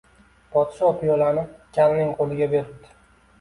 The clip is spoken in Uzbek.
Podsho piyolani kalning qo‘liga beribdi